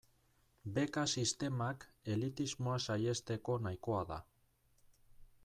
Beka sistemak elitismoa saihesteko nahikoa da.